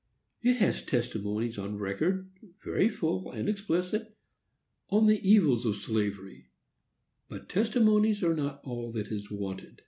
It has testimonies on record, very full and explicit, on the evils of slavery; but testimonies are not all that is wanted.